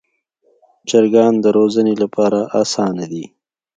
چرګان د روزنې لپاره اسانه دي.